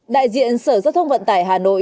đại diện sở giao thông vận tải hà nội